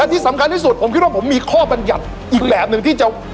และที่สำคัญที่สุดมีข้อบัญญัติอีกแหลงนึงที่จะ